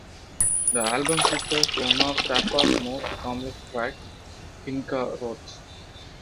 The album features one of Zappa's most complex tracks, "Inca Roads".